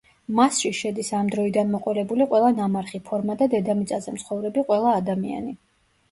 მასში შედის ამ დროიდან მოყოლებული ყველა ნამარხი ფორმა და დედამიწაზე მცხოვრები ყველა ადამიანი.